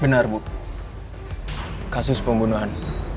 benar bu kasus pembunuhan